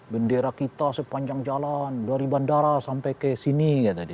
bendera kita sepanjang jalan dari bandara sampai ke sini